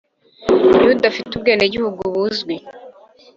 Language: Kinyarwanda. Iyo adafite ubwenegihugu buzwi